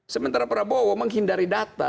sementara prabowo menghindari data